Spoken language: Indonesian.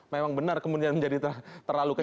memang benar kemudian menjadi terlalu kecil